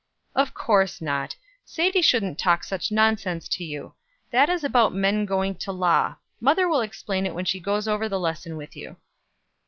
"Of course not. Sadie shouldn't talk such nonsense to you. That is about men going to law. Mother will explain it when she goes over the lesson with you."